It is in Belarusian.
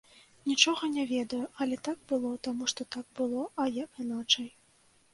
Нічога не ведаю, але так было, таму што так было, а як іначай.